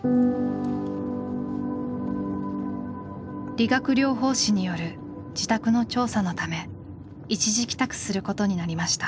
理学療法士による自宅の調査のため一時帰宅することになりました。